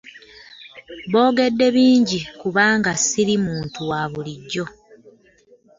Boogedde bingi kubanga ssiri muntu wa bulijjo.